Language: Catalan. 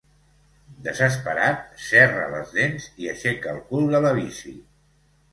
Desesperat, serra les dents i aixeca el cul de la bici.